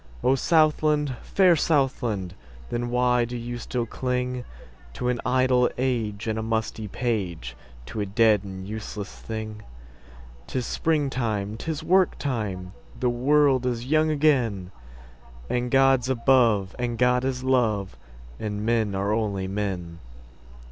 O Southland, fair Southland! Then why do you still clingTo an idle age and a musty page, To a dead and useless thing?'Tis springtime! 'Tis work time! The world is young again! And God's above, and God is love, And men are only men.